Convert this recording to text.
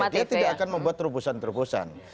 dia tidak akan membuat terobosan terobosan